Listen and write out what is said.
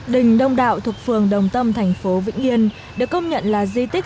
đình đông đạo thuộc phường đồng tâm thành phố vĩnh yên được công nhận là di tích